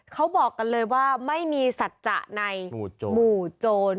เขาบอกกันเลยว่าไม่มีสัจจะในหมู่โจร